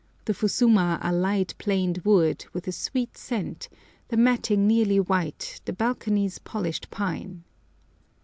The fusuma are light planed wood with a sweet scent, the matting nearly white, the balconies polished pine.